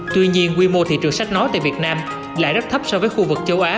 tuy nhiên quy mô thị trường sách nói tại việt nam lại rất thấp so với khu vực châu á